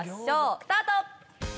スタート！